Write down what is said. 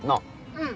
うん。